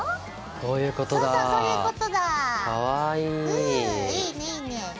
うんいいねいいね。